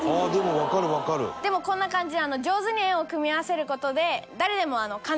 でもうこんな感じで。